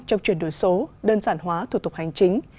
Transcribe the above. trong chuyển đổi số đơn giản hóa thủ tục hành chính